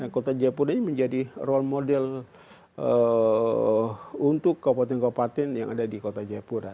kota jayapura ini menjadi role model untuk kabupaten kabupaten yang ada di kota jayapura